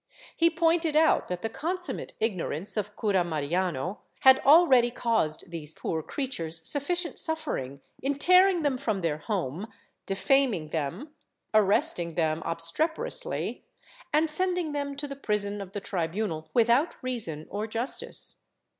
He pointed out that the consummate ignorance of Cura Mariano had already caused these poor creatures sufficient suffering in tearing them from their home, defaming them, arresting them obstreperously and sending them to the prison of the tribunal without reason or justice.